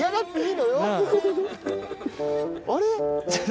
あれ？